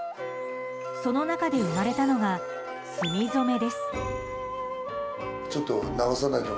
その中で生まれたのが炭染めです。